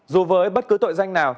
dù với bất cứ tội danh nào